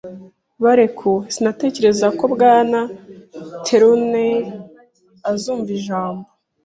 barekuwe. Sinatekerezaga ko Bwana Trelawney azumva ijambo. ”